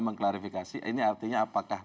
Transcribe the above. mengklarifikasi ini artinya apakah